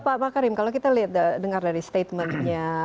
pak karim kalau kita dengar dari statementnya